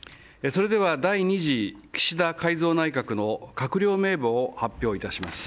それでは第２次岸田改造内閣の閣僚名簿を発表いたします。